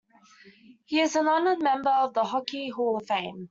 He is an Honoured Member of the Hockey Hall of Fame.